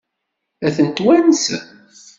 Ad tent-wansen?